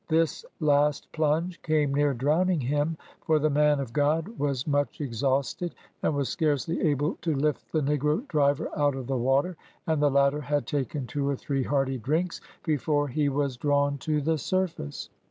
This last plunge came near drowning him, for the man of God was much exhausted, and was scarcely able to lift the negro driver out of the water, and the latter had taken two or three hearty drinks before he was drawn to the surface.